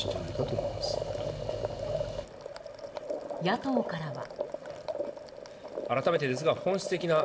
野党からは。